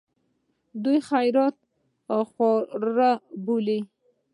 دوی خیرات خواره بلوي.